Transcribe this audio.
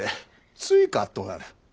ついかっとなる。